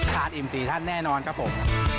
ทานอิ่มสี่ท่านแน่นอนครับผม